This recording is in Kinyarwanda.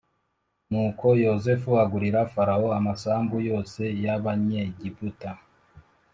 Nuko Yozefu agurira Farawo amasambu yose y Abanyegiputa